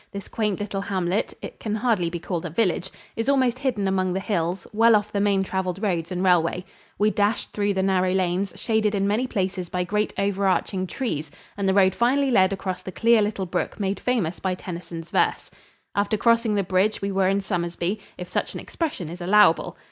This quaint little hamlet it can hardly be called a village is almost hidden among the hills, well off the main traveled roads and railway. We dashed through the narrow lanes, shaded in many places by great over arching trees and the road finally led across the clear little brook made famous by Tennyson's verse. After crossing the bridge we were in Somersby if such an expression is allowable.